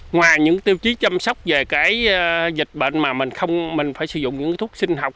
ngoài những tiêu chí chăm sóc về cái dịch bệnh mà mình phải sử dụng những cái thuốc sinh học